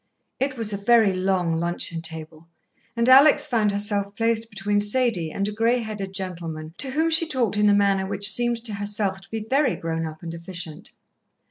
It was a very long luncheon table, and Alex found herself placed between Sadie and a grey headed gentleman, to whom she talked in a manner which seemed to herself to be very grown up and efficient.